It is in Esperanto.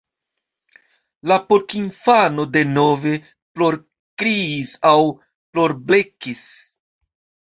La porkinfano denove plorkriis aŭ plorblekis.